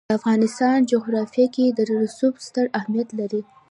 د افغانستان جغرافیه کې رسوب ستر اهمیت لري.